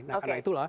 nah karena itulah